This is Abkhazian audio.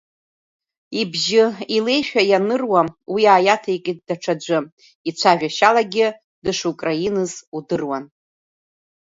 Ибжьы илеишәа аныруа уи иааиаҭеикит даҽаӡәы, ицәажәашьалагьы дышукраиныз удыруан.